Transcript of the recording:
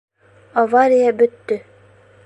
Авария бөттө.